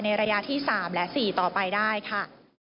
ระยะที่๓และ๔ต่อไปได้ค่ะ